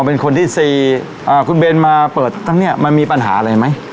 อ๋อเป็นคนที่๔คุณเบนมาเปิดตั้งนี้มันมีปัญหาอะไรไหม